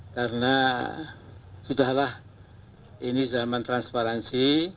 karena sudah lah ini zaman transparansi